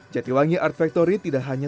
jatiwangi art factory tidak hanya